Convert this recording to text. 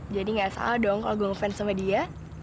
jadi nggak salah dong kalau gue ngefans sama dia